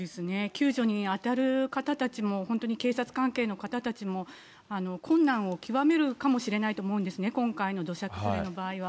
救助に当たる方たちも、本当に警察関係の方たちも、困難を極めるかもしれないと思うんですね、今回の土砂崩れの場合は。